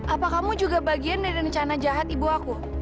apa kamu juga bagian dari rencana jahat ibu aku